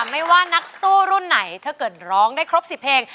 ไม่ว่านักสู้รุ่นไหนถ้าเกิดร้องได้ครบ๑๐เพลง